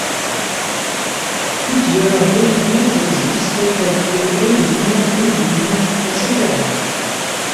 Plusieurs dérivés existent tel que Elinne Elyne ect.